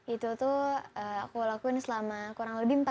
itu tuh aku lakuin selama kurang lebih empat tahun